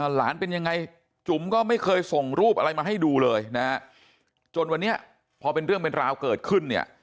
หลานเป็นยังไงจุ๋มก็ไม่เคยส่งรูปอะไรมาให้ดูเลยนะฮะจนวันนี้พอเป็นเรื่องเป็นราวเกิดขึ้นเนี่ย